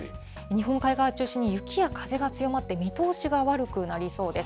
日本海側中心に雪や風が強まって、見通しが悪くなりそうです。